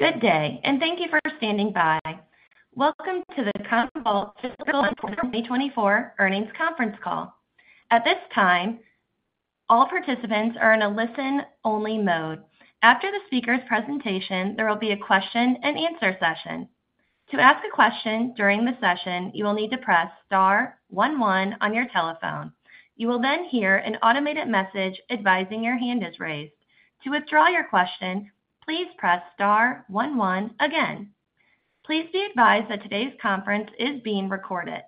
Good day, thank you for standing by. Welcome to the Commvault Fiscal Q1 2024 Earnings Conference Call. At this time, all participants are in a listen-only mode. After the speaker's presentation, there will be a question-and-answer session. To ask a question during the session, you will need to press star one one on your telephone. You will hear an automated message advising your hand is raised. To withdraw your question, please press star one one again. Please be advised that today's conference is being recorded.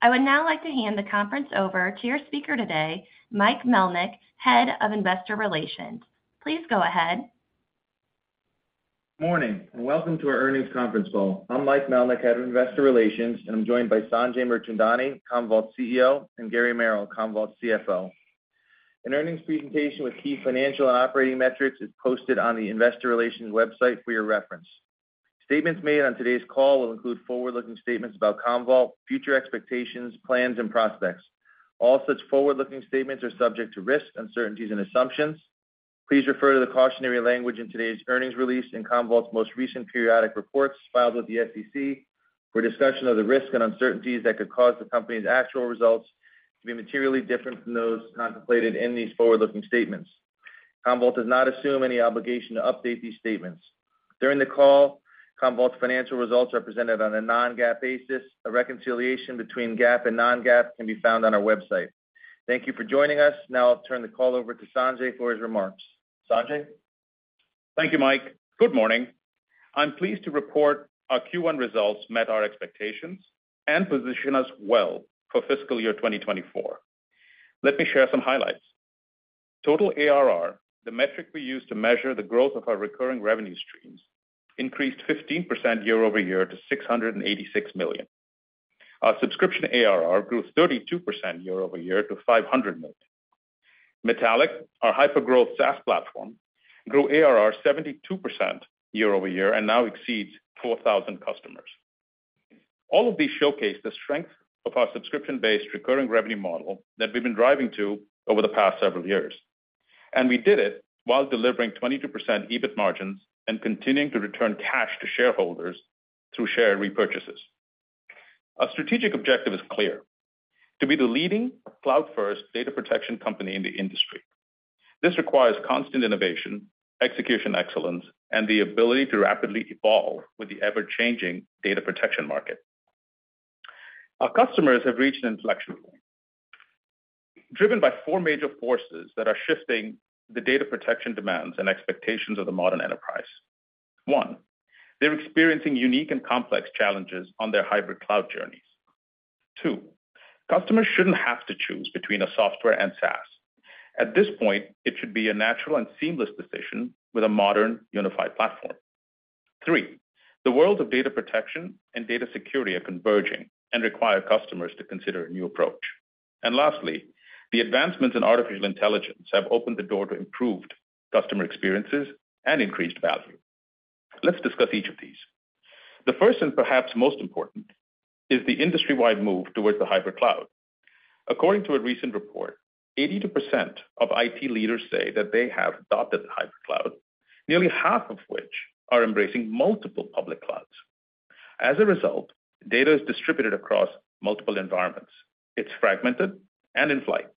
I would now like to hand the conference over to your speaker today, Mike Melnyk, Head of Investor Relations. Please go ahead. Morning. Welcome to our earnings conference call. I'm Mike Melnyk, Head of Investor Relations, and I'm joined by Sanjay Mirchandani, Commvault CEO, and Gary Merrill, Commvault CFO. An earnings presentation with key financial and operating metrics is posted on the investor relations website for your reference. Statements made on today's call will include forward-looking statements about Commvault, future expectations, plans, and prospects. All such forward-looking statements are subject to risks, uncertainties, and assumptions. Please refer to the cautionary language in today's earnings release and Commvault's most recent periodic reports filed with the SEC for a discussion of the risks and uncertainties that could cause the company's actual results to be materially different from those contemplated in these forward-looking statements. Commvault does not assume any obligation to update these statements. During the call, Commvault's financial results are presented on a non-GAAP basis. A reconciliation between GAAP and non-GAAP can be found on our website. Thank you for joining us. Now I'll turn the call over to Sanjay for his remarks. Sanjay? Thank you, Mike. Good morning. I'm pleased to report our Q1 results met our expectations and position us well for fiscal year 2024. Let me share some highlights. Total ARR, the metric we use to measure the growth of our recurring revenue streams, increased 15% year-over-year to $686 million. Our subscription ARR grew 32% year-over-year to $500 million. Metallic, our hyper-growth SaaS platform, grew ARR 72% year-over-year and now exceeds 4,000 customers. All of these showcase the strength of our subscription-based recurring revenue model that we've been driving to over the past several years, and we did it while delivering 22% EBIT margins and continuing to return cash to shareholders through share repurchases. Our strategic objective is clear: to be the leading cloud-first data protection company in the industry. This requires constant innovation, execution excellence, and the ability to rapidly evolve with the ever-changing data protection market. Our customers have reached an inflection point, driven by four major forces that are shifting the data protection demands and expectations of the modern enterprise. One, they're experiencing unique and complex challenges on their hybrid cloud journeys. Two, customers shouldn't have to choose between a software and SaaS. At this point, it should be a natural and seamless decision with a modern, unified platform. Three, the world of data protection and data security are converging and require customers to consider a new approach. Lastly, the advancements in artificial intelligence have opened the door to improved customer experiences and increased value. Let's discuss each of these. The first, and perhaps most important, is the industry-wide move towards the hybrid cloud. According to a recent report, 82% of IT leaders say that they have adopted hybrid cloud, nearly half of which are embracing multiple public clouds. As a result, data is distributed across multiple environments. It's fragmented and in flight.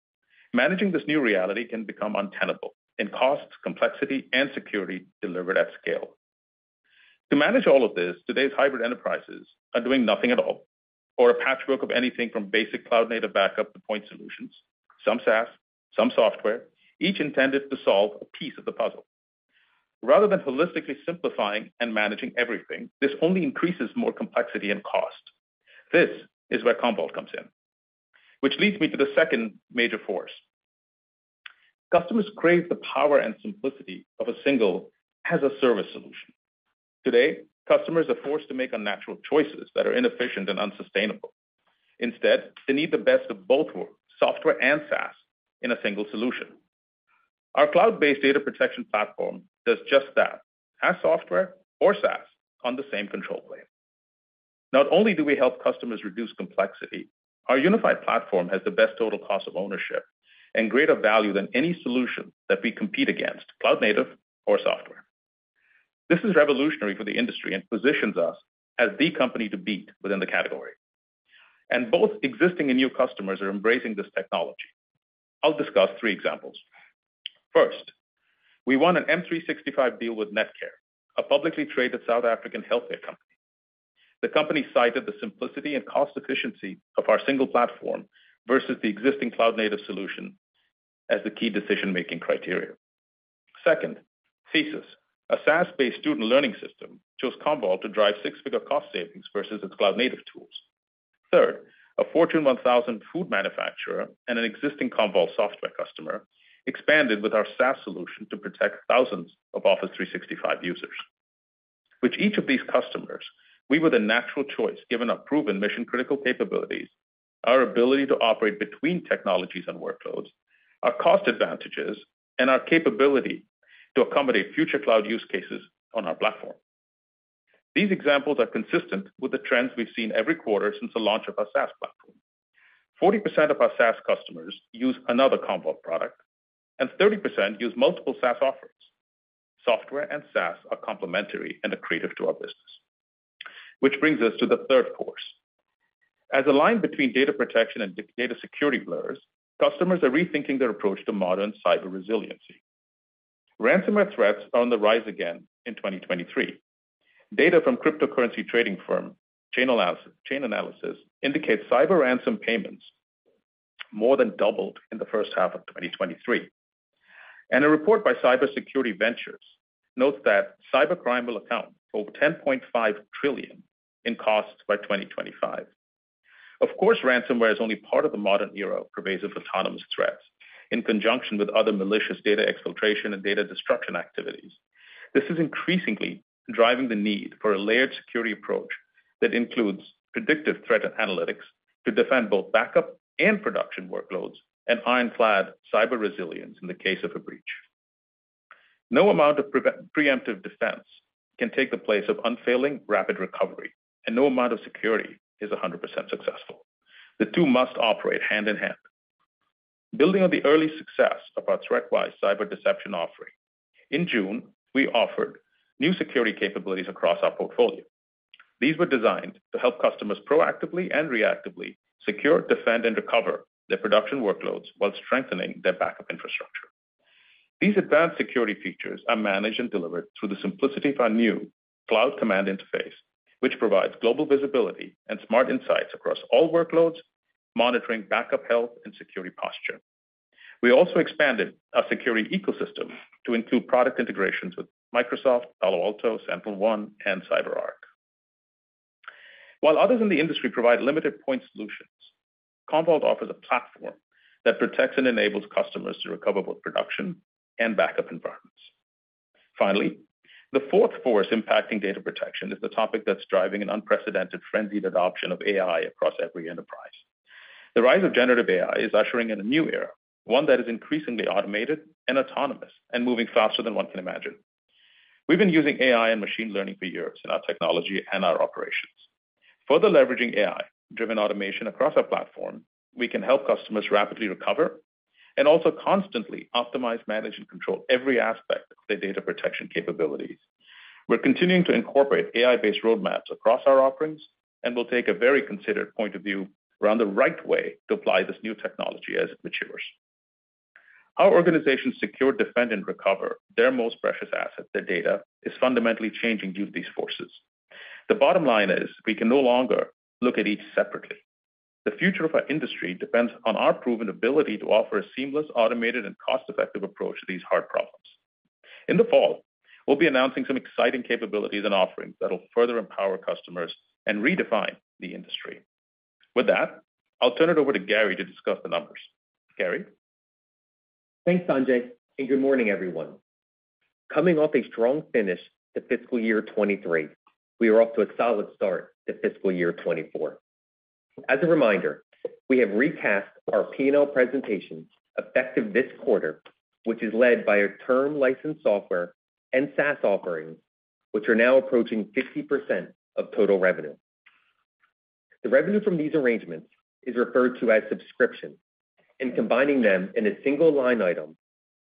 Managing this new reality can become untenable in costs, complexity, and security delivered at scale. To manage all of this, today's hybrid enterprises are doing nothing at all or a patchwork of anything from basic cloud native backup to point solutions, some SaaS, some software, each intended to solve a piece of the puzzle. Rather than holistically simplifying and managing everything, this only increases more complexity and cost. This is where Commvault comes in. Which leads me to the second major force. Customers crave the power and simplicity of a single as-a-service solution. Today, customers are forced to make unnatural choices that are inefficient and unsustainable. Instead, they need the best of both worlds, software and SaaS, in a single solution. Our cloud-based data protection platform does just that, as software or SaaS on the same control plane. Not only do we help customers reduce complexity, our unified platform has the best total cost of ownership and greater value than any solution that we compete against, cloud native or software. This is revolutionary for the industry and positions us as the company to beat within the category. Both existing and new customers are embracing this technology. I'll discuss three examples. First, we won an M365 deal with Netcare, a publicly traded South African healthcare company. The company cited the simplicity and cost efficiency of our single platform versus the existing cloud native solution as the key decision-making criteria. Second, Thesis, a SaaS-based student learning system, chose Commvault to drive six-figure cost savings versus its cloud native tools. Third, a Fortune 1000 food manufacturer and an existing Commvault software customer expanded with our SaaS solution to protect thousands of Office 365 users. With each of these customers, we were the natural choice, given our proven mission-critical capabilities, our ability to operate between technologies and workloads, our cost advantages, and our capability to accommodate future cloud use cases on our platform. These examples are consistent with the trends we've seen every quarter since the launch of our SaaS platform. 40% of our SaaS customers use another Commvault product, and 30% use multiple SaaS offerings. Software and SaaS are complementary and accretive to our business, which brings us to the third course. As the line between data protection and data security blurs, customers are rethinking their approach to modern cyber resilience. Ransomware threats are on the rise again in 2023. Data from cryptocurrency trading firm Chainalysis indicates cyber ransom payments more than doubled in the first half of 2023. A report by Cybersecurity Ventures notes that cybercrime will account for over $10.5 trillion in costs by 2025. Of course, ransomware is only part of the modern era of pervasive autonomous threats, in conjunction with other malicious data exfiltration and data destruction activities. This is increasingly driving the need for a layered security approach that includes predictive threat analytics to defend both backup and production workloads, and ironclad cyber resilience in the case of a breach. No amount of preemptive defense can take the place of unfailing rapid recovery, and no amount of security is 100% successful. The two must operate hand in hand. Building on the early success of our ThreatWise cyber deception offering, in June, we offered new security capabilities across our portfolio. These were designed to help customers proactively and reactively secure, defend, and recover their production workloads while strengthening their backup infrastructure. These advanced security features are managed and delivered through the simplicity of our new Cloud Command interface, which provides global visibility and smart insights across all workloads, monitoring backup, health, and security posture. We also expanded our security ecosystem to include product integrations with Microsoft, Palo Alto, SentinelOne, and CyberArk. While others in the industry provide limited point solutions, Commvault offers a platform that protects and enables customers to recover both production and backup environments. Finally, the fourth force impacting data protection is the topic that's driving an unprecedented frenzied adoption of AI across every enterprise. The rise of generative AI is ushering in a new era, one that is increasingly automated and autonomous and moving faster than one can imagine. We've been using AI and machine learning for years in our technology and our operations. Further leveraging AI-driven automation across our platform, we can help customers rapidly recover and also constantly optimize, manage, and control every aspect of their data protection capabilities. We're continuing to incorporate AI-based roadmaps across our offerings, and we'll take a very considered point of view around the right way to apply this new technology as it matures. How organizations secure, defend, and recover their most precious asset, their data, is fundamentally changing due to these forces. The bottom line is we can no longer look at each separately. The future of our industry depends on our proven ability to offer a seamless, automated, and cost-effective approach to these hard problems. In the fall, we'll be announcing some exciting capabilities and offerings that will further empower customers and redefine the industry. With that, I'll turn it over to Gary to discuss the numbers. Gary? Thanks, Sanjay. Good morning, everyone. Coming off a strong finish to fiscal year 2023, we are off to a solid start to fiscal year 2024. As a reminder, we have recast our P&L presentation effective this quarter, which is led by our term licensed software and SaaS offerings, which are now approaching 50% of total revenue. The revenue from these arrangements is referred to as subscription. Combining them in a single line item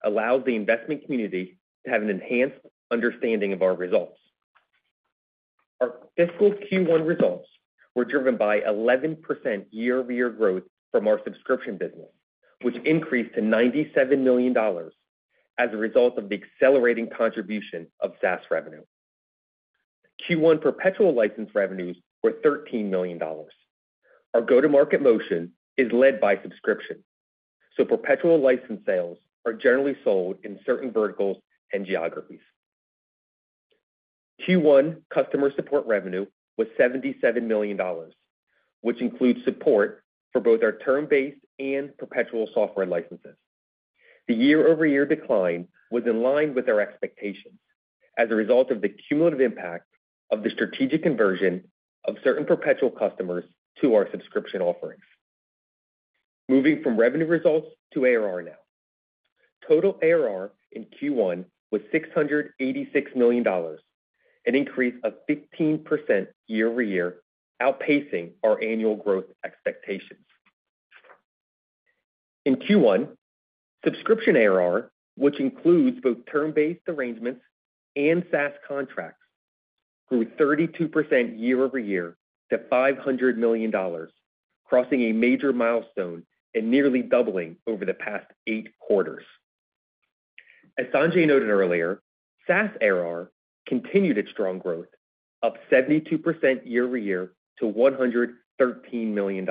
allows the investment community to have an enhanced understanding of our results. Our fiscal Q1 results were driven by 11% year-over-year growth from our subscription business, which increased to $97 million as a result of the accelerating contribution of SaaS revenue. Q1 perpetual license revenues were $13 million. Our go-to-market motion is led by subscription. Perpetual license sales are generally sold in certain verticals and geographies. Q1 customer support revenue was $77 million, which includes support for both our term-based and perpetual software licenses. The year-over-year decline was in line with our expectations as a result of the cumulative impact of the strategic conversion of certain perpetual customers to our subscription offerings. Moving from revenue results to ARR now. Total ARR in Q1 was $686 million, an increase of 15% year-over-year, outpacing our annual growth expectations. In Q1, subscription ARR, which includes both term-based arrangements and SaaS contracts, grew 32% year-over-year to $500 million, crossing a major milestone and nearly doubling over the past eight quarters. As Sanjay noted earlier, SaaS ARR continued its strong growth, up 72% year-over-year to $113 million.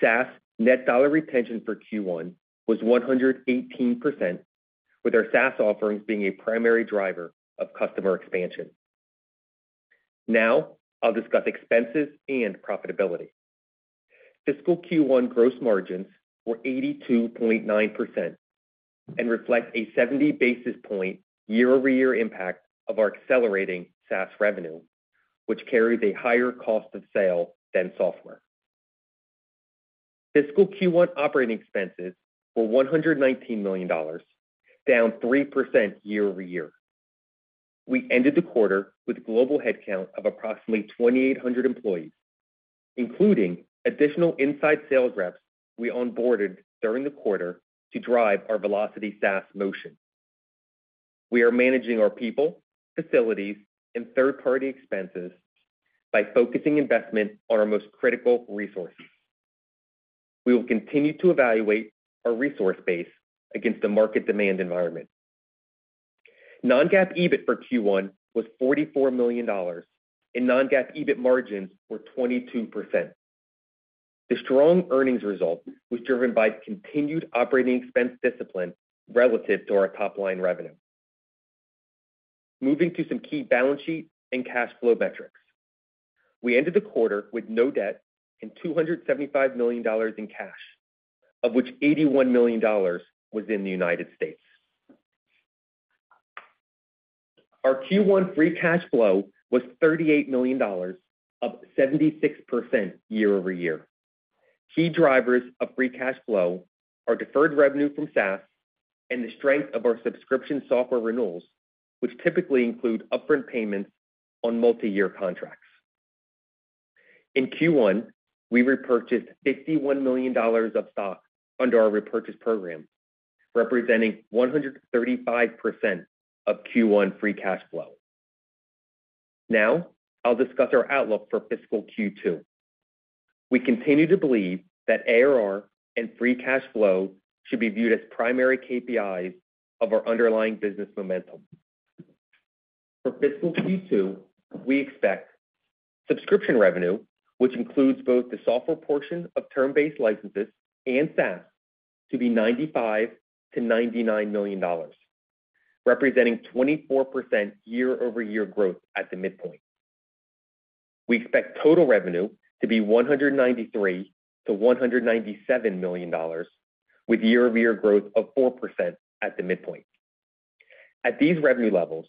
SaaS net dollar retention for Q1 was 118%, with our SaaS offerings being a primary driver of customer expansion. Now, I'll discuss expenses and profitability. Fiscal Q1 gross margins were 82.9% and reflect a 70 basis point year-over-year impact of our accelerating SaaS revenue, which carries a higher cost of sale than software. Fiscal Q1 operating expenses were $119 million, down 3% year-over-year. We ended the quarter with global headcount of approximately 2,800 employees, including additional inside sales reps we onboarded during the quarter to drive our velocity SaaS motion. We are managing our people, facilities, and third-party expenses by focusing investment on our most critical resources. We will continue to evaluate our resource base against the market demand environment. Non-GAAP EBIT for Q1 was $44 million, and non-GAAP EBIT margins were 22%. The strong earnings result was driven by continued operating expense discipline relative to our top-line revenue. Moving to some key balance sheet and cash flow metrics. We ended the quarter with no debt and $275 million in cash, of which $81 million was in the United States. Our Q1 free cash flow was $38 million, up 76% year-over-year. Key drivers of free cash flow are deferred revenue from SaaS and the strength of our subscription software renewals, which typically include upfront payments on multiyear contracts. In Q1, we repurchased $51 million of stock under our repurchase program, representing 135% of Q1 free cash flow. Now, I'll discuss our outlook for fiscal Q2. We continue to believe that ARR and free cash flow should be viewed as primary KPIs of our underlying business momentum. For fiscal Q2, we expect subscription revenue, which includes both the software portion of term-based licenses and SaaS, to be $95 million-$99 million, representing 24% year-over-year growth at the midpoint. We expect total revenue to be $193 million-$197 million, with year-over-year growth of 4% at the midpoint. At these revenue levels,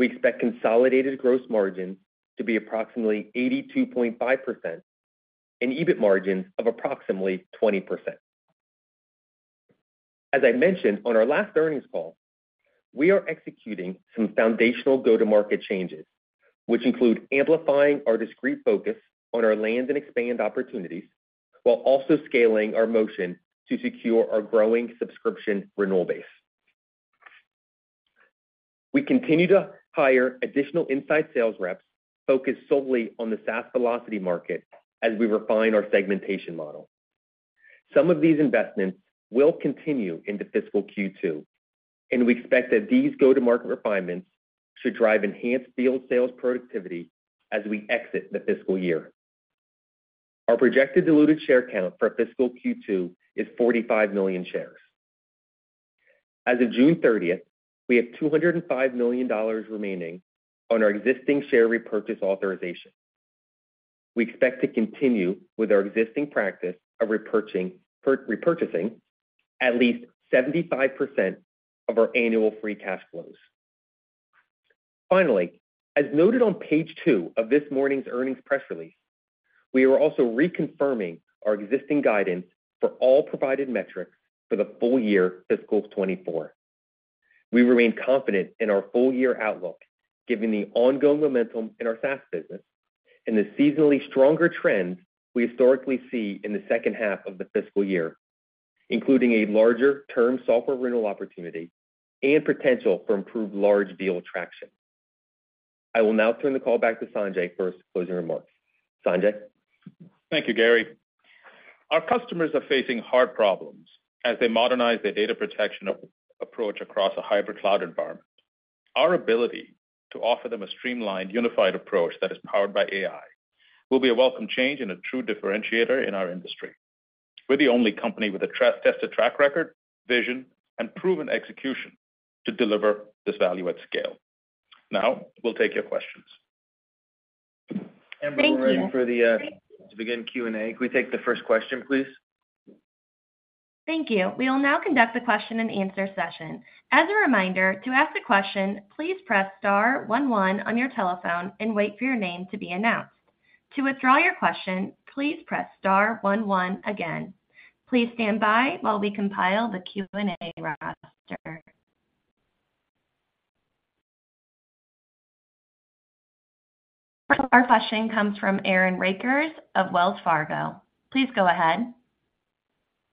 we expect consolidated gross margin to be approximately 82.5% and EBIT margins of approximately 20%. As I mentioned on our last earnings call, we are executing some foundational go-to-market changes, which include amplifying our discrete focus on our land and expand opportunities, while also scaling our motion to secure our growing subscription renewal base. We continue to hire additional inside sales reps focused solely on the SaaS velocity market as we refine our segmentation model. Some of these investments will continue into fiscal Q2. We expect that these go-to-market refinements should drive enhanced field sales productivity as we exit the fiscal year. Our projected diluted share count for fiscal Q2 is 45 million shares. As of June 30th, we have $205 million remaining on our existing share repurchase authorization. We expect to continue with our existing practice of repurchasing at least 75% of our annual free cash flows. Finally, as noted on page two of this morning's earnings press release, we are also reconfirming our existing guidance for all provided metrics for the full year, fiscal 2024. We remain confident in our full-year outlook, given the ongoing momentum in our SaaS business and the seasonally stronger trends we historically see in the second half of the fiscal year, including a larger term software renewal opportunity and potential for improved large deal traction. I will now turn the call back to Sanjay for his closing remarks. Sanjay? Thank you, Gary. Our customers are facing hard problems as they modernize their data protection approach across a hybrid cloud environment. Our ability to offer them a streamlined, unified approach that is powered by AI will be a welcome change and a true differentiator in our industry. We're the only company with a trust tested track record, vision, and proven execution to deliver this value at scale. Now, we'll take your questions. We're ready for the to begin Q&A. Can we take the first question, please? Thank you. We will now conduct a question-and-answer session. As a reminder, to ask a question, please press star one one on your telephone and wait for your name to be announced. To withdraw your question, please press star one one again. Please stand by while we compile the Q&A roster. Our question comes from Aaron Rakers of Wells Fargo. Please go ahead.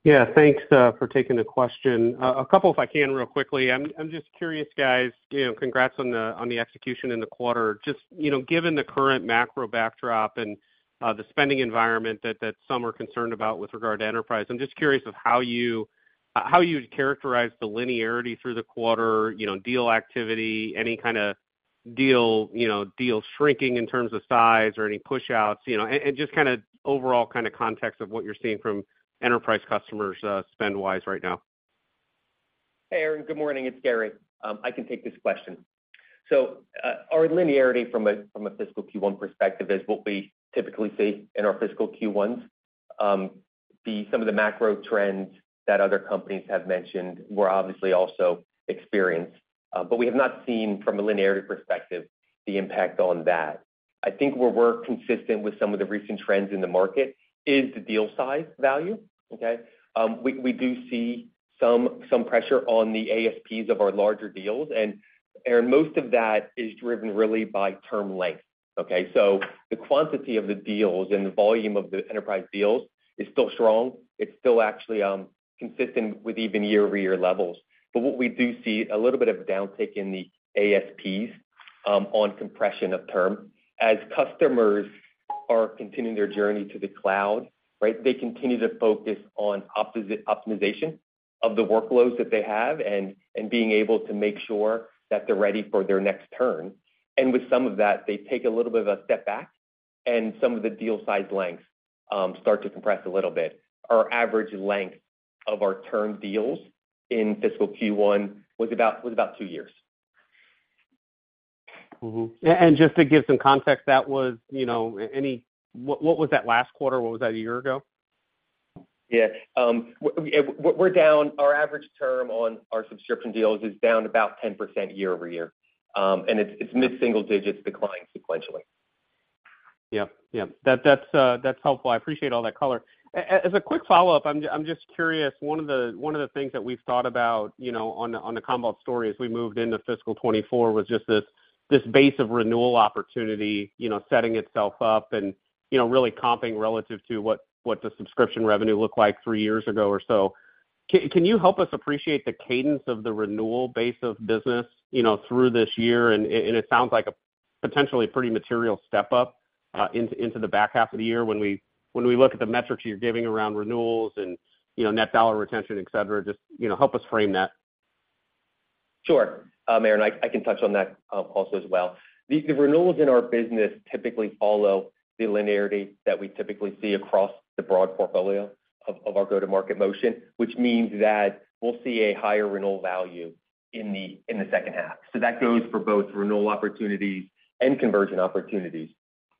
Yeah, thanks for taking the question. A couple, if I can, real quickly. I'm, I'm just curious, guys, you know, congrats on the, on the execution in the quarter. Just, you know, given the current macro backdrop and the spending environment that, that some are concerned about with regard to enterprise, I'm just curious of how you, how you'd characterize the linearity through the quarter, you know, deal activity, any kind of deal, you know, deal shrinking in terms of size or any pushouts, you know, and, and just kind of overall kind of context of what you're seeing from enterprise customers, spend wise right now. Hey, Aaron, good morning. It's Gary. I can take this question. Our linearity from a, from a fiscal Q1 perspective is what we typically see in our fiscal Q1s. The some of the macro trends that other companies have mentioned were obviously also experienced, we have not seen from a linearity perspective, the impact on that. I think where we're consistent with some of the recent trends in the market is the deal size value, okay? We, we do see some, some pressure on the ASPs of our larger deals, most of that is driven really by term length, okay? The quantity of the deals and the volume of the enterprise deals is still strong. It's still actually consistent with even year-over-year levels. What we do see, a little bit of a downtick in the ASPs, on compression of term. As customers are continuing their journey to the cloud, right, they continue to focus on optimization of the workloads that they have and being able to make sure that they're ready for their next turn. With some of that, they take a little bit of a step back, and some of the deal size lengths start to compress a little bit. Our average length of our term deals in fiscal Q1 was about two years. Mm-hmm. Just to give some context, that was, you know, what, what was that last quarter? What was that, a year ago? Yeah. we're down... Our average term on our subscription deals is down about 10% year-over-year. It's mid-single digits declining sequentially. Yes. Yes, that, that's, that's helpful. I appreciate all that color. As a quick follow-up, I'm just curious, one of the, one of the things that we've thought about, you know, on the, on the Commvault story as we moved into fiscal 2024, was just this, this base of renewal opportunity, you know, setting itself up and, you know, really comping relative to what, what the subscription revenue looked like three years ago or so. Can you help us appreciate the cadence of the renewal base of business, you know, through this year? It, it sounds like a potentially pretty material step up into, into the back half of the year when we, when we look at the metrics you're giving around renewals and, you know, net dollar retention, et cetera. Just, you know, help us frame that. Sure. Aaron, I, I can touch on that also as well. The renewals in our business typically follow the linearity that we typically see across the broad portfolio of our go-to-market motion, which means that we'll see a higher renewal value in the second half. That goes for both renewal opportunities and conversion opportunities.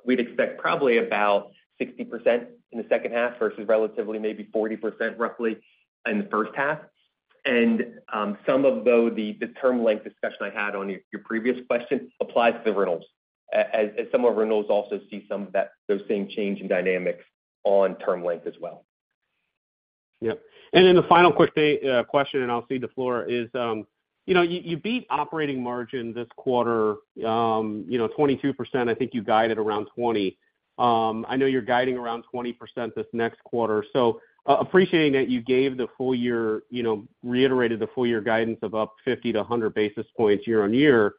We'd expect probably about 60% in the second half versus relatively maybe 40%, roughly, in the first half. Some of, though, the term length discussion I had on your previous question applies to the renewals, as some of renewals also see some of that. They're seeing change in dynamics on term length as well. Yes. Then the final quick question, and I'll cede the floor, is, you know, you, you beat operating margin this quarter, you know, 22%. I think you guided around 20%. I know you're guiding around 20% this next quarter. Appreciating that you gave the full year, you know, reiterated the full year guidance of up 50-100 basis points year-on-year,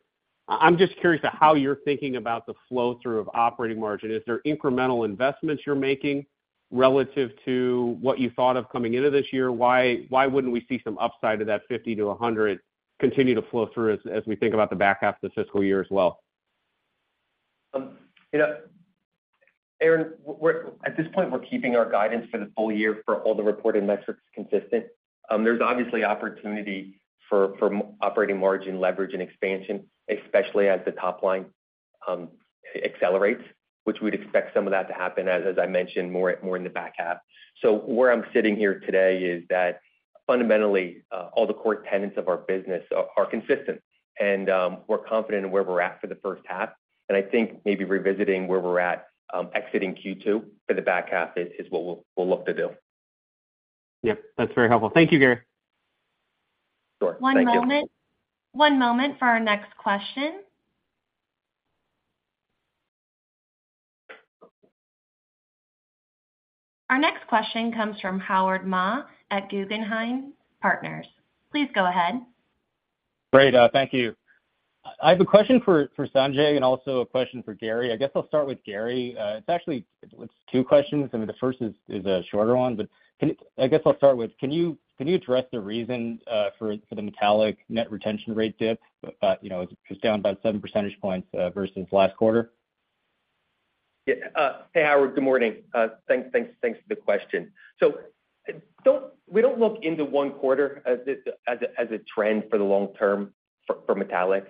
I'm just curious to how you're thinking about the flow-through of operating margin. Is there incremental investments you're making relative to what you thought of coming into this year? Why wouldn't we see some upside to that $50 million-$100 million continue to flow through as we think about the back half of the fiscal year as well? You know, Aaron, we're at this point, we're keeping our guidance for the full year for all the reported metrics consistent. There's obviously opportunity for operating margin leverage and expansion, especially as the top line accelerates, which we'd expect some of that to happen, as, as I mentioned, more, more in the back half. Where I'm sitting here today is that fundamentally, all the core tenants of our business are consistent, and we're confident in where we're at for the first half. I think maybe revisiting where we're at, exiting Q2 for the back half is, is what we'll, we'll look to do. Yes, that's very helpful. Thank you, Gary. Sure. Thank you. One moment. One moment for our next question. Our next question comes from Howard Ma at Guggenheim Partners. Please go ahead. Great, thank you. I have a question for, for Sanjay and also a question for Gary. I guess I'll start with Gary. It's actually, it's two questions. I mean, the first is, is a shorter one, but I guess I'll start with, can you, can you address the reason for the Metallic net retention rate dip? You know, it's down about 7 percentage points versus last quarter. Yeah. Hey, Howard, good morning. Thanks, thanks, thanks for the question. We don't look into one quarter as a, as a, as a trend for the long term for, for Metallic.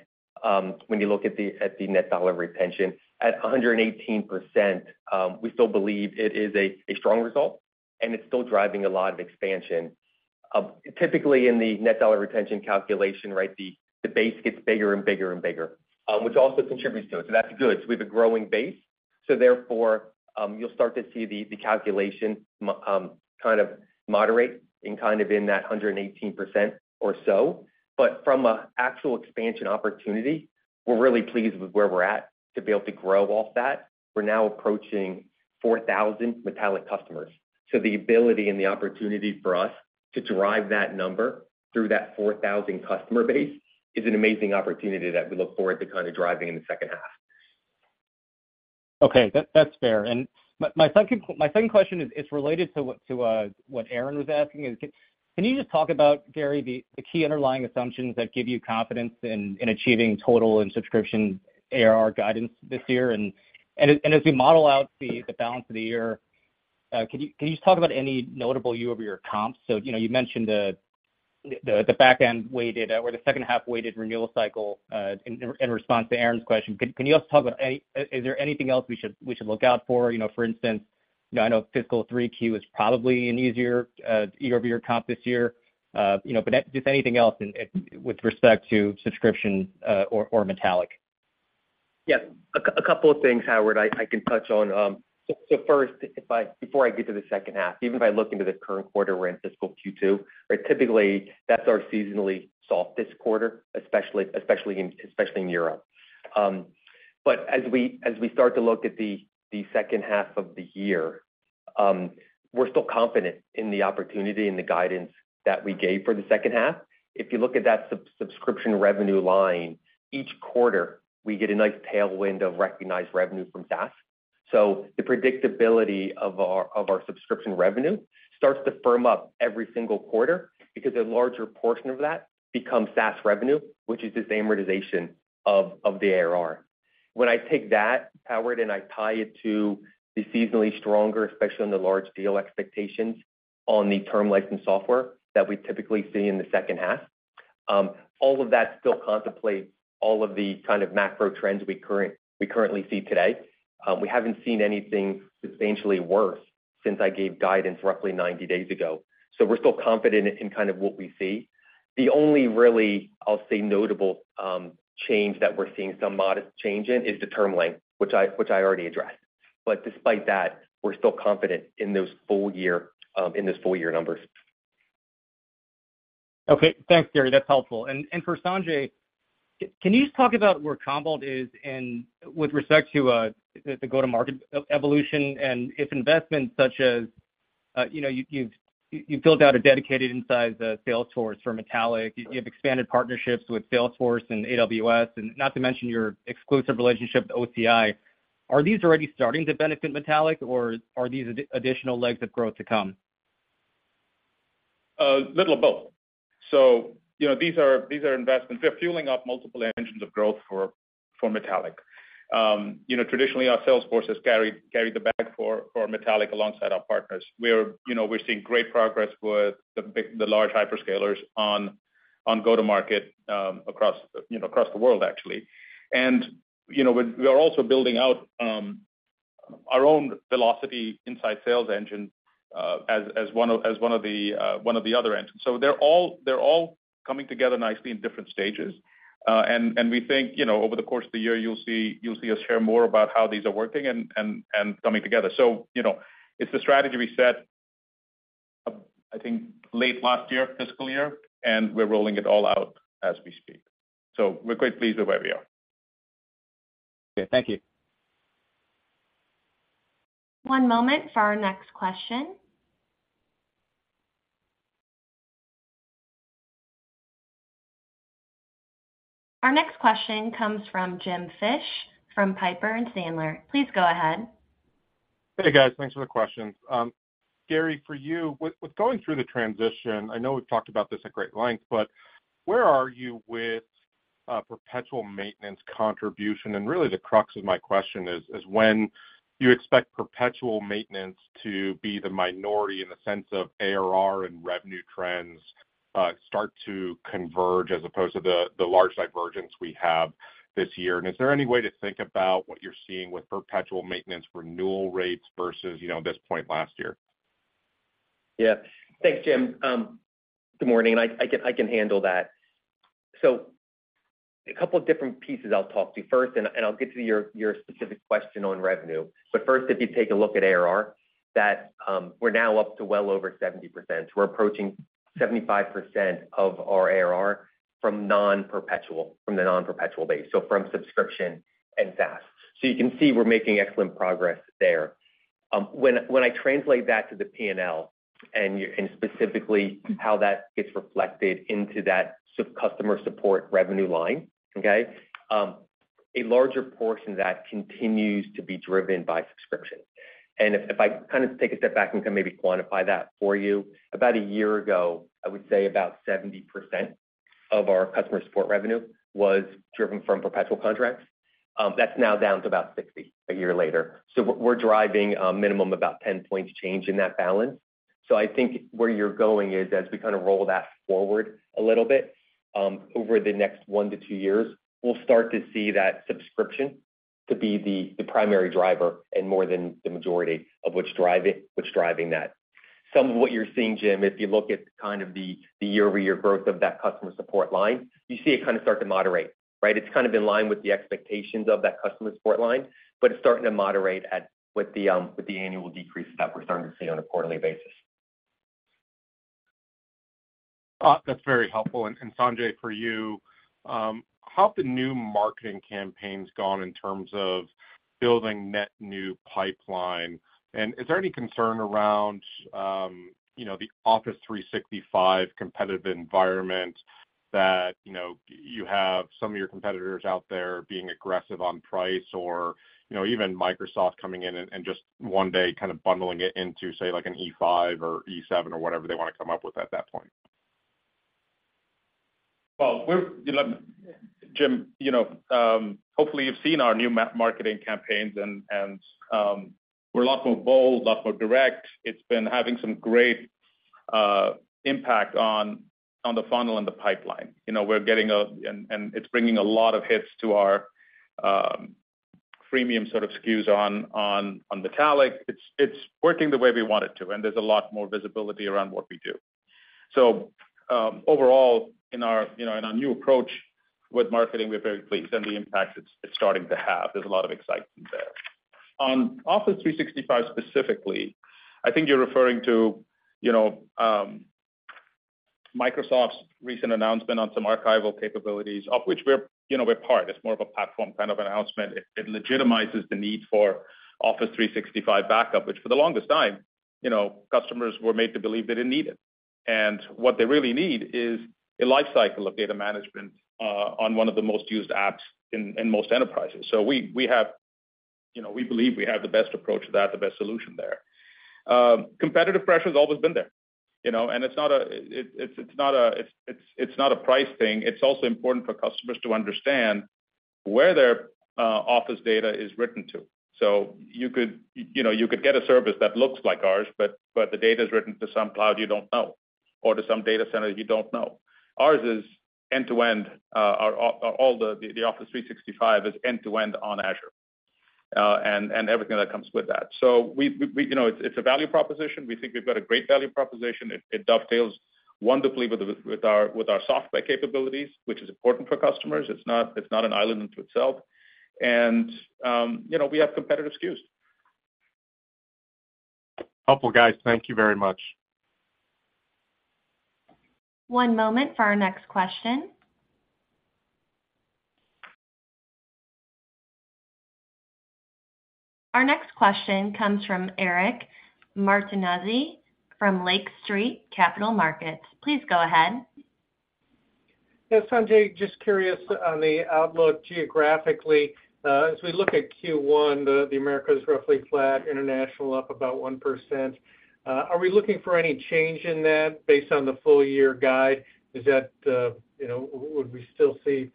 When you look at the, at the net dollar retention, at 118%, we still believe it is a, a strong result, and it's still driving a lot of expansion. Typically, in the net dollar retention calculation, right, the, the base gets bigger and bigger and bigger, which also contributes to it. That's good. We have a growing base. Therefore, you'll start to see the, the calculation, kind of moderate and kind of in that 118% or so. From a actual expansion opportunity, we're really pleased with where we're at to be able to grow off that. We're now approaching 4,000 Metallic customers, the ability and the opportunity for us to drive that number through that 4,000 customer base is an amazing opportunity that we look forward to kind of driving in the second half. Okay, that, that's fair. My, my second question is, it's related to what, to what Aaron was asking is: Can you just talk about, Gary, the key underlying assumptions that give you confidence in achieving total and subscription ARR guidance this year? As, as we model out the balance of the year, can you just talk about any notable year-over-year comps? You know, you mentioned the back end weighted, or the second half weighted renewal cycle, in response to Aaron's question. Can you also talk about, is there anything else we should look out for? You know, for instance, I know fiscal 3Q is probably an easier year-over-year comp this year. You know, just anything else in, with respect to subscription, or, or Metallic? Yeah, a couple of things, Howard, I can touch on. First, before I get to the second half, even if I look into the current quarter, we're in fiscal Q2, right? Typically, that's our seasonally softest quarter, especially, especially in, especially in Europe. As we start to look at the second half of the year, we're still confident in the opportunity and the guidance that we gave for the second half. If you look at that subscription revenue line, each quarter, we get a nice tailwind of recognized revenue from SaaS. The predictability of our subscription revenue starts to firm up every single quarter because a larger portion of that becomes SaaS revenue, which is the amortization of the ARR. When I take that, Howard, and I tie it to the seasonally stronger, especially in the large deal expectations on the term license software that we typically see in the second half, all of that still contemplates all of the kind of macro trends we currently see today. We haven't seen anything substantially worse since I gave guidance roughly 90 days ago. We're still confident in kind of what we see. The only really, I'll say, notable, change that we're seeing some modest change in, is the term length, which I, which I already addressed. Despite that, we're still confident in those full year, in those full year numbers. Okay. Thanks, Gary. That's helpful. For Sanjay, can you just talk about where Commvault is in with respect to the go-to-market evolution, and if investments such as, you know, you've built out a dedicated inside sales force for Metallic, you have expanded partnerships with Salesforce and AWS, and not to mention your exclusive relationship with OCI. Are these already starting to benefit Metallic, or are these additional legs of growth to come? Little of both. You know, these are, these are investments. We're fueling up multiple engines of growth for, for Metallic. You know, traditionally, our sales force has carried, carried the bag for, for Metallic alongside our partners. We're, you know, we're seeing great progress with the big, the large hyperscalers on, on go-to-market, across, you know, across the world, actually. You know, we, we are also building out our own velocity inside sales engine as, as one of, as one of the, one of the other engines. They're all, they're all coming together nicely in different stages. We think, you know, over the course of the year, you'll see, you'll see us share more about how these are working and, and, and coming together. You know, it's the strategy we set, I think, late last year, fiscal year, and we're rolling it all out as we speak. We're quite pleased with where we are. Okay. Thank you. One moment for our next question. Our next question comes from Jim Fish, from Piper Sandler. Please go ahead. Hey, guys, thanks for the questions. Gary, for you, with, with going through the transition, I know we've talked about this at great length, but where are you with perpetual maintenance contribution? Really, the crux of my question is, is when you expect perpetual maintenance to be the minority in the sense of ARR and revenue trends, start to converge as opposed to the, the large divergence we have this year. Is there any way to think about what you're seeing with perpetual maintenance renewal rates versus, you know, this point last year? Yeah. Thanks, Jim. Good morning. I, I can, I can handle that. A couple of different pieces I'll talk to you first, and I'll get to your specific question on revenue. First, if you take a look at ARR, that, we're now up to well over 70%. We're approaching 75% of our ARR from non-perpetual, from the non-perpetual base, so from subscription and SaaS. You can see we're making excellent progress there. When I translate that to the P&L and specifically how that gets reflected into that sub- customer support revenue line, okay? A larger portion of that continues to be driven by subscription. If, if I kind of take a step back and can maybe quantify that for you, about a year ago, I would say about 70% of our customer support revenue was driven from perpetual contracts. That's now down to about 60%, a year later. We're, we're driving, minimum about 10 points change in that balance. I think where you're going is as we kind of roll that forward a little bit, over the next one to two years, we'll start to see that subscription to be the, the primary driver and more than the majority of which driving, which driving that. Some of what you're seeing, Jim, if you look at kind of the, the year-over-year growth of that customer support line, you see it kind of start to moderate, right? It's kind of in line with the expectations of that customer support line, but it's starting to moderate at with the, with the annual decreases that we're starting to see on a quarterly basis. That's very helpful. And Sanjay, for you, how have the new marketing campaigns gone in terms of building net new pipeline? Is there any concern around, you know, the Office 365 competitive environment that, you know, you have some of your competitors out there being aggressive on price or, you know, even Microsoft coming in and, and just one day kind of bundling it into, say, like an E5 or E7 or whatever they wanna come up with at that point? Well, we're... Jim, you know, hopefully, you've seen our new map marketing campaigns, and, and, we're a lot more bold, a lot more direct. It's been having some impact on, on the funnel and the pipeline. You know, and, and it's bringing a lot of hits to our freemium sort of SKUs on, on, on Metallic. It's, it's working the way we want it to, and there's a lot more visibility around what we do. Overall, in our, you know, in our new approach with marketing, we're very pleased, and the impact it's, it's starting to have, there's a lot of excitement there. On Microsoft 365 specifically, I think you're referring to, you know, Microsoft's recent announcement on some archival capabilities, of which we're, you know, we're part. It's more of a platform kind of announcement. It legitimizes the need for Microsoft 365 backup, which for the longest time, you know, customers were made to believe they didn't need it. What they really need is a life cycle of data management, on one of the most used apps in most enterprises. We have, you know, we believe we have the best approach to that, the best solution there. Competitive pressure has always been there, you know, and it's not a price thing. It's also important for customers to understand where their Office data is written to. You could, you know, you could get a service that looks like ours, but the data is written to some cloud you don't know, or to some data center you don't know. Ours is end-to-end, our, all, all the, the Microsoft 365 is end-to-end on Azure, and, and everything that comes with that. We, we, we... You know, it's a value proposition. We think we've got a great value proposition. It, it dovetails wonderfully with, with our, with our software capabilities, which is important for customers. It's not, it's not an island unto itself. You know, we have competitive SKUs. Helpful, guys. Thank you very much. One moment for our next question. Our next question comes from Eric Martinuzzi from Lake Street Capital Markets. Please go ahead. Yeah, Sanjay, just curious on the outlook geographically. As we look at Q1, the Americas is roughly flat, international up about 1%. Are we looking for any change in that based on the full year guide? Is that, you know, would we still see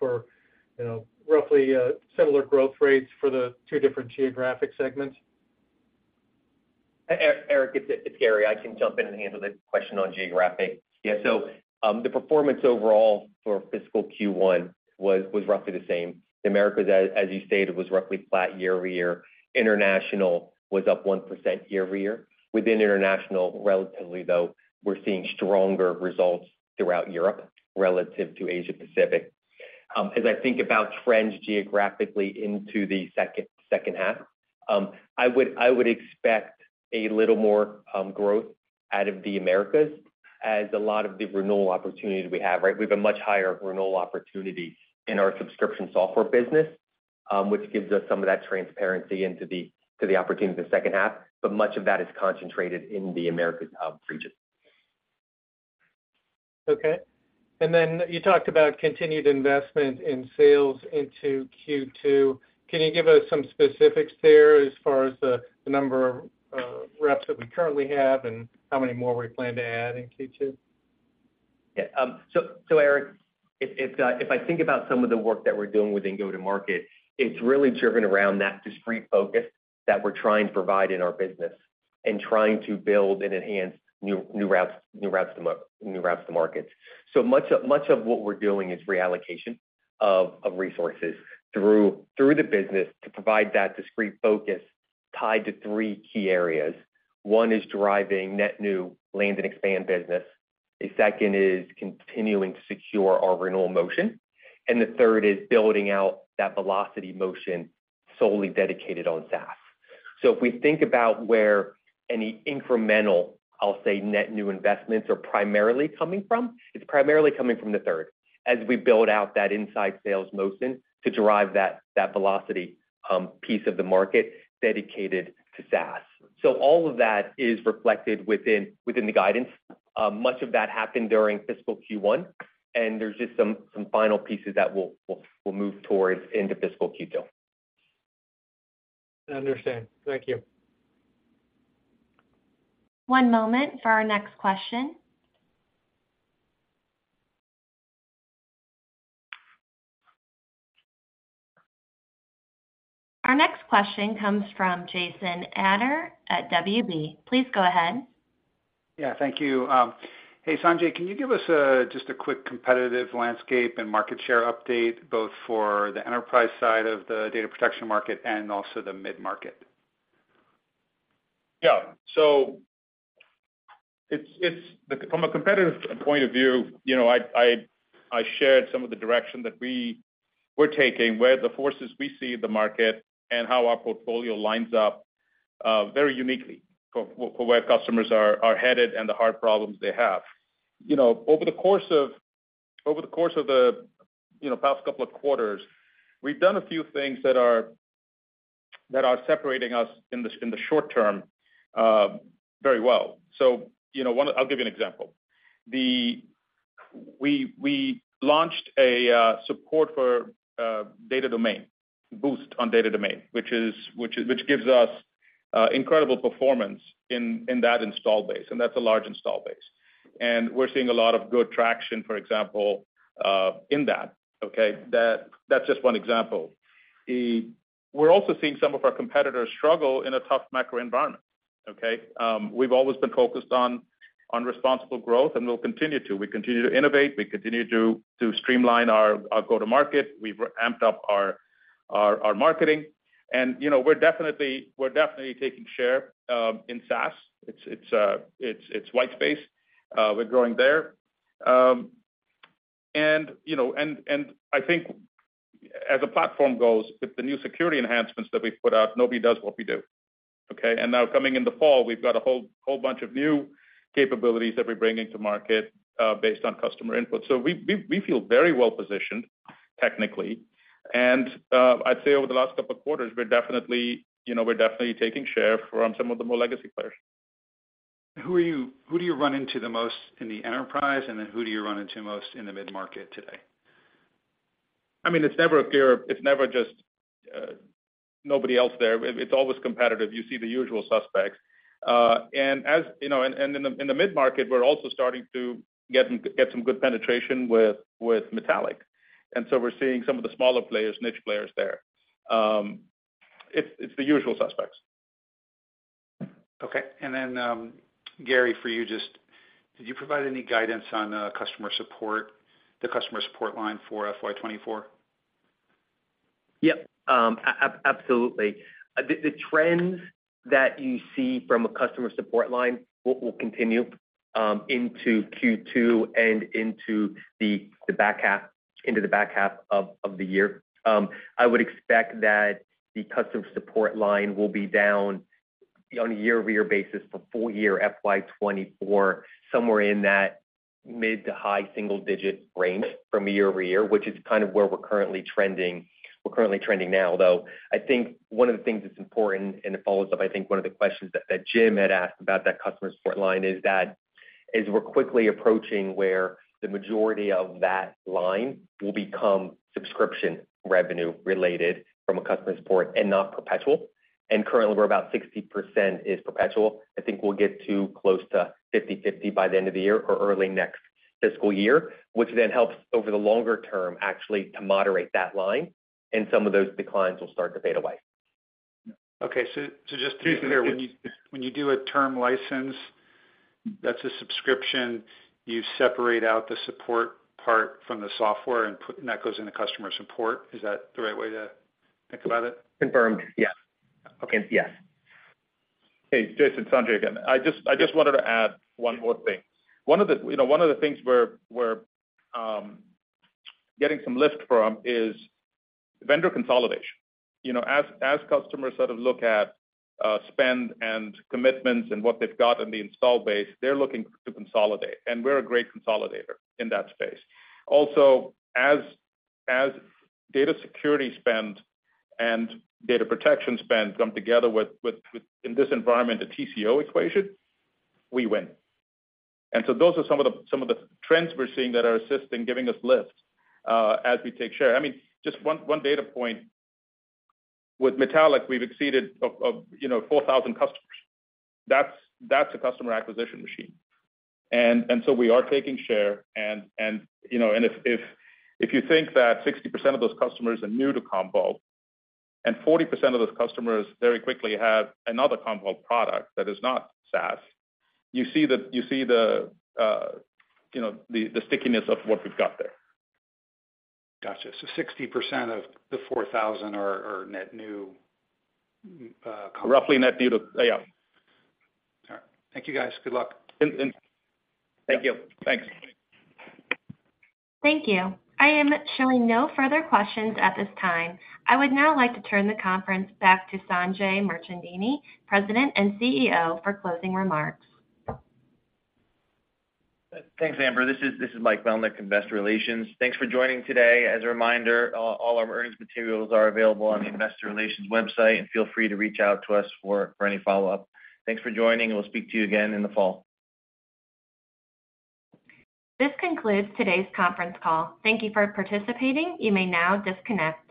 for, you know, roughly similar growth rates for the two different geographic segments? Eric, it's Gary. I can jump in and handle the question on geographic. Yeah. The performance overall for fiscal Q1 was roughly the same. The Americas, as you stated, was roughly flat year-over-year. International was up 1% year-over-year. Within international, relatively, though, we're seeing stronger results throughout Europe relative to Asia Pacific. As I think about trends geographically into the second half, I would expect a little more growth out of the Americas as a lot of the renewal opportunities we have, right? We have a much higher renewal opportunity in our subscription software business, which gives us some of that transparency into the opportunities in the second half, but much of that is concentrated in the Americas region. Okay. Then you talked about continued investment in sales into Q2. Can you give us some specifics there as far as the, the number of, reps that we currently have and how many more we plan to add in Q2? Yeah. So, so Eric, if, if, if I think about some of the work that we're doing within go-to-market, it's really driven around that discrete focus that we're trying to provide in our business and trying to build and enhance new, new routes, new routes to markets. Much of, much of what we're doing is reallocation of, of resources through, through the business to provide that discrete focus tied to three key areas. One is driving net new land and expand business. The second is continuing to secure our renewal motion, and the third is building out that velocity motion solely dedicated on SaaS. If we think about where any incremental, I'll say, net new investments are primarily coming from, it's primarily coming from the third, as we build out that inside sales motion to derive that, that velocity, piece of the market dedicated to SaaS. All of that is reflected within, within the guidance. Much of that happened during fiscal Q1, and there's just some, some final pieces that we'll, we'll, we'll move towards into fiscal Q2. I understand. Thank you. One moment for our next question. Our next question comes from Jason Ader at WB. Please go ahead. Yeah, thank you. Hey, Sanjay, can you give us a, just a quick competitive landscape and market share update, both for the enterprise side of the data protection market and also the mid-market? Yeah. It's from a competitive point of view, you know, I, I, I shared some of the direction that we were taking, where the forces we see in the market and how our portfolio lines up very uniquely for, for where customers are, are headed and the hard problems they have. You know, over the course of, over the course of the, you know, past couple of quarters, we've done a few things that are, that are separating us in the, in the short term very well. You know, one... I'll give you an example. We, we launched a support for boost on Data Domain, which is, which gives us incredible performance in that install base. That's a large install base. We're seeing a lot of good traction, for example, in that, okay? That, that's just one example. We're also seeing some of our competitors struggle in a tough macro environment, okay? We've always been focused on, on responsible growth, and we'll continue to. We continue to innovate, we continue to streamline our go-to-market. We've amped up our, our, our marketing, and, you know, we're definitely, we're definitely taking share in SaaS. It's, it's, it's, it's white space. We're growing there. You know, and, and I think as a platform goes, with the new security enhancements that we've put out, nobody does what we do, okay. Now coming in the fall, we've got a whole, whole bunch of new capabilities that we're bringing to market, based on customer input. We, we, we feel very well positioned technically. I'd say over the last couple of quarters, we're definitely, you know, we're definitely taking share from some of the more legacy players. Who do you run into the most in the enterprise, and then who do you run into most in the mid-market today? I mean, it's never clear. It's never just nobody else there. It, it's always competitive. You see the usual suspects. As, you know, and, and in the, in the mid-market, we're also starting to get, get some good penetration with, with Metallic. We're seeing some of the smaller players, niche players there. It's, it's the usual suspects. Okay. Then, Gary, for you just, did you provide any guidance on customer support, the customer support line for FY 2024? Yes. Absolutely. The trends that you see from a customer support line will continue into Q2 and into the back half of the year. I would expect that the customer support line will be down on a year-over-year basis for full year FY 2024, somewhere in that mid- to high single-digit range from a year-over-year, which is kind of where we're currently trending now. I think one of the things that's important, and it follows up, I think, one of the questions that Jim had asked about that customer support line is that, as we're quickly approaching where the majority of that line will become subscription revenue related from a customer support and not perpetual, and currently we're about 60% is perpetual. I think we'll get to close to 50/50 by the end of the year or early next fiscal year, which then helps over the longer term, actually, to moderate that line, and some of those declines will start to fade away. Okay, just to be clear, when you do a term license, that's a subscription, you separate out the support part from the software and that goes in the customer support. Is that the right way to think about it? Confirmed. Yes. Okay. Yes. Hey, Jason, Sanjay again. I just wanted to add one more thing. One of the, you know, one of the things we're getting some lift from is vendor consolidation. You know, as customers sort of look at spend and commitments and what they've got in the install base, they're looking to consolidate, and we're a great consolidator in that space. Also, as data security spend and data protection spend come together with in this environment, the TCO equation, we win. So those are some of the trends we're seeing that are assisting, giving us lift as we take share. I mean, just one data point. With Metallic, we've exceeded of, you know, 4,000 customers. That's a customer acquisition machine. So we are taking share. You know, if, if, if you think that 60% of those customers are new to Commvault, and 40% of those customers very quickly have another Commvault product that is not SaaS, you see the, you see the, you know, the, the stickiness of what we've got there. Got you. 60% of the 4,000 are net new Commvault? Roughly net new to... Yeah. All right. Thank you, guys. Good luck. And thank you. Thanks. Thank you. I am showing no further questions at this time. I would now like to turn the conference back to Sanjay Mirchandani, President and CEO, for closing remarks. Thanks, Amber. This is, this is Mike Melnyk, Investor Relations. Thanks for joining today. As a reminder, all our earnings materials are available on the investor relations website. Feel free to reach out to us for any follow-up. Thanks for joining. We'll speak to you again in the fall. This concludes today's conference call. Thank you for participating. You may now disconnect.